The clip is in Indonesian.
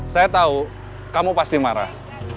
saya tahu kamu pasti marah